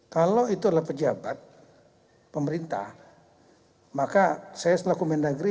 kalau itu adalah pejabat pemerintah maka saya selaku mendagri